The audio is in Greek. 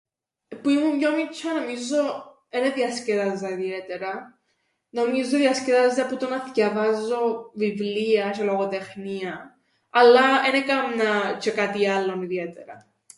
Που ήμουν πιο μιτσ̆ιά νομίζω εν εδιασκέδαζα ιδιαίτερα, νομίζω εδιασκέδαζα που το να θκιαβάζω βιβλία τζ̌αι λογοτεχνίαν, αλλά εν έκαμνα τζ̌αι κάτι άλλον ιδιαίτερα.